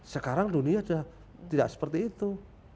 sekarang dunia sudah tidak seperti itu